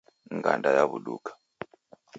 Nganda yawuduka